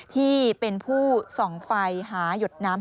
ที่เป็นผู้ส่องไฟหาหยดน้ำ